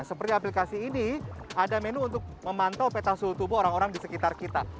seperti aplikasi ini ada menu untuk memantau peta suhu tubuh orang orang di sekitar kita